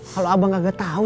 kalau abang gak tau